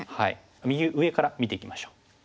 右上から見ていきましょう。